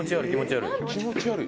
気持ち悪い。